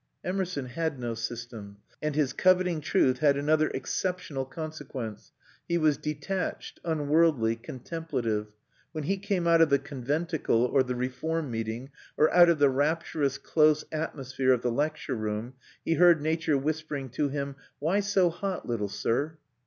Emerson had no system; and his coveting truth had another exceptional consequence: he was detached, unworldly, contemplative. When he came out of the conventicle or the reform meeting, or out of the rapturous close atmosphere of the lecture room, he heard Nature whispering to him: "Why so hot, little sir?"